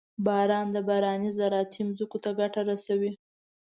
• باران د بارانۍ زراعتي ځمکو ته ګټه رسوي.